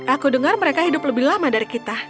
aku dengar mereka hidup lebih lama dari kita